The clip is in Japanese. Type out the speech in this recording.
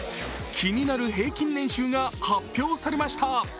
気になる平均年収が発表されました。